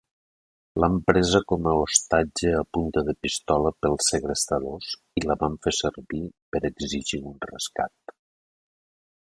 L'han presa com a ostatge a punta de pistola pels segrestadors i la van fer servir per exigir un rescat.